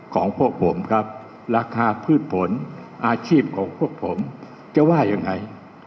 ของพวกผมครับราคาพืชผลอาชีพของพวกผมจะว่ายังไง